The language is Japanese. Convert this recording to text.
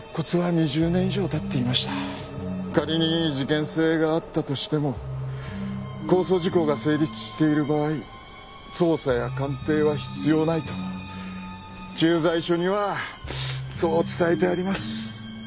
仮に事件性があったとしても公訴時効が成立している場合捜査や鑑定は必要ないと駐在所にはそう伝えてあります。